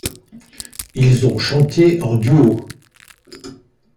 Ils ont chanté en duo.